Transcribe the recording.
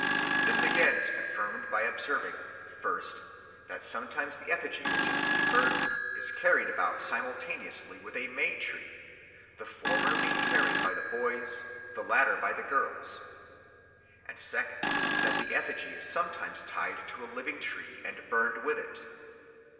This, again, is confirmed by observing, first, that sometimes the effigy which is to be burned is carried about simultaneously with a May tree, the former being carried by the boys, the latter by the girls; and, second, that the effigy is sometimes tied to a living tree and burned with it.